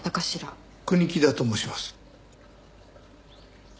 国木田と申します。